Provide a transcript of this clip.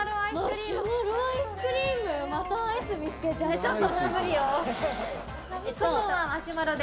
ちょっともう無理よ。